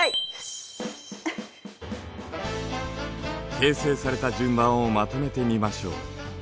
形成された順番をまとめてみましょう。